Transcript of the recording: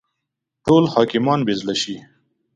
ټول حاکمان بې زړه شي.